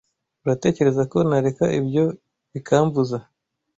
Uratekereza ko nareka ibyo bikambuza?